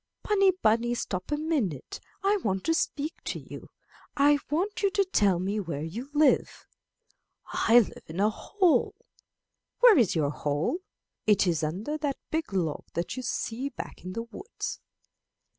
'Bunny! bunny! stop a minute; I want to speak to you. I want you to tell me where you live. I live in my hole. Where is your hole? It is under that big log that you see back in the woods.'